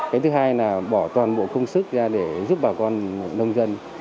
cái thứ hai là bỏ toàn bộ công sức ra để giúp bà con nông dân